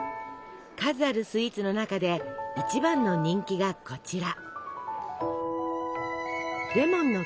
数あるスイーツの中で一番の人気がこちら。